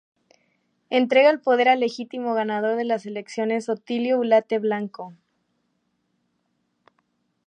Entrega el poder al legítimo ganador de las elecciones Otilio Ulate Blanco.